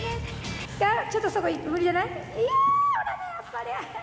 ちょっとそこ無理じゃない。